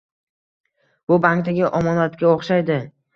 Bu bankdagi omonatga oʻxshaydi.